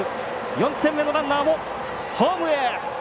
４点目のランナーもホームへ。